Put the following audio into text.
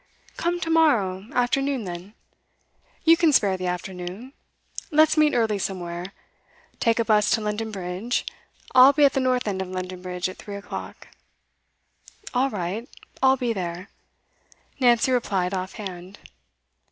Come to morrow afternoon then. You can spare the afternoon. Let's meet early somewhere. Take a bus to London Bridge. I'll be at the north end of London Bridge at three o'clock.' 'All right; I'll be there,' Nancy replied off hand.